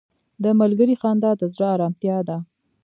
• د ملګري خندا د زړه ارامتیا ده.